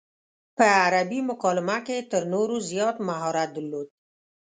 په عربي مکالمه کې یې تر نورو زیات مهارت درلود.